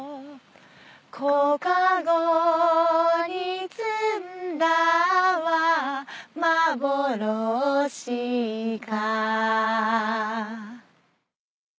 「小篭に摘んだはまぼろしか」